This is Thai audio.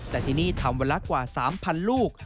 แต่ที่นี่ทำวันละกว่า๓๐๐ลูก